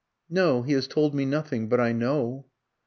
"No, he has told me nothing; but I know."